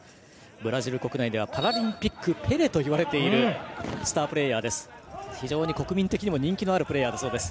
ブラジル国内ではパラリンピックペレといわれているスタープレーヤーです。